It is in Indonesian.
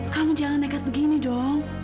kamu jangan nekat begini dong